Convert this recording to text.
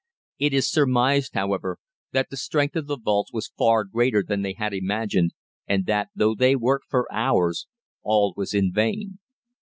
It is surmised, however, that the strength of the vaults was far greater than they had imagined, and that, though they worked for hours, all was in vain.